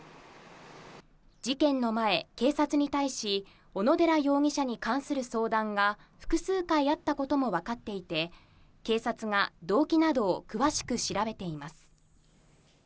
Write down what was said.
事件の前、警察に対し小野寺容疑者に関する相談が複数回あったこともわかっていて、警察が動機などを詳しく調べています。